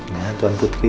nah tuan putri